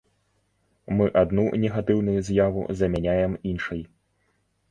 Мы адну негатыўную з'яву замяняем іншай.